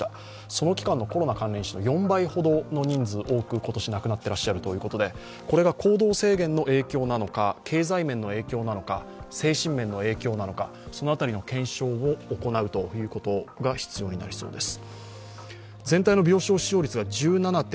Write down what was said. その期間のコロナ関連死の４倍ほど多く今年、亡くなってらっしゃるということでこれが行動制限の影響なのか、経済面の影響なのか、精神面の影響なのか、その辺りの検証を行うことが必要なりそうです。